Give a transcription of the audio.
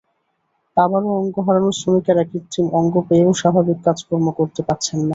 আবার অঙ্গ হারানো শ্রমিকেরা কৃত্রিম অঙ্গ পেয়েও স্বাভাবিক কাজকর্ম করতে পারছেন না।